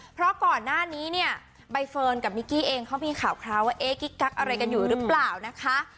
เพราะก่อนหน้านี้เนี่ยใบเฟิร์นกับนิกกี้เองเขามีข่าวคราวว่าเอ๊ะกิ๊กกักอะไรกันอยู่หรือเปล่านะคะ